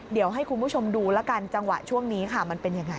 เดี๋ยวให้คุณผู้ชมดูแล้วกันจังหวะช่วงนี้ค่ะมันเป็นยังไง